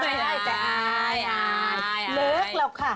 ไม่ไม่เคยยิน